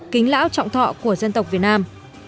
kính lão trọng thọ của dân tộc việt nam